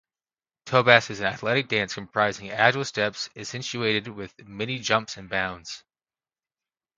Tobas is an athletic dance comprising agile steps accentuated with many jumps and bounds.